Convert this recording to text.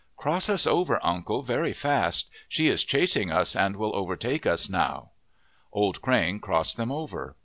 " Cross us over, uncle, very fast. She is chasing us and will overtake us now." Old Crane crossed them over.